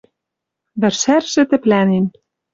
Вӹршӓржӹ тӹплӓнен.